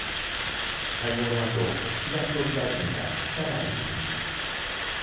会合のあと、岸田総理大臣は記者団に対し。